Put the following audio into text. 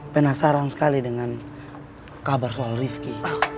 penasaran sekali dengan kabar soal rifki